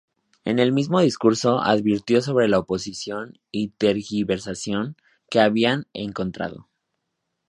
En el mismo discurso advirtió sobre la oposición y tergiversación que habían encontrado.